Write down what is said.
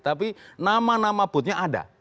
tapi nama nama bootnya ada